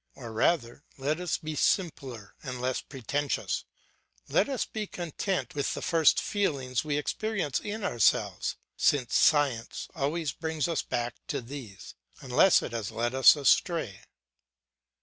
Or rather let us be simpler and less pretentious; let us be content with the first feelings we experience in ourselves, since science always brings us back to these, unless it has led us astray.